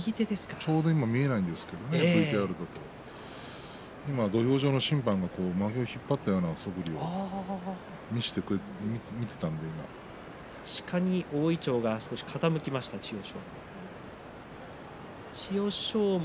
ちょうど見えないんですがＶＴＲですと土俵上の審判がまげを引っ張ったようなそぶりを確かに大いちょうが少し傾きました、千代翔